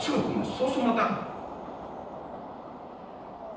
そうするとまた。